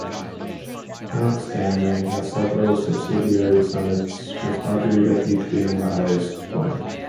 Mount Stanley has several subsidiary summits, with Margherita Peak being the highest point.